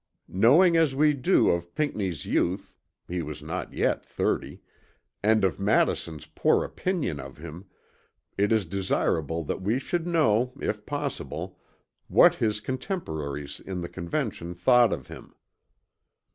Knowing as we do of Pinckney's youth (he was not yet 30) and of Madison's poor opinion of him, it is desirable that we should know, if possible, what his contemporaries in the Convention thought of him.